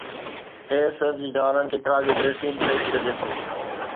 اي S F جي جوانن کي خراج تحسين پيش ڪجي ٿو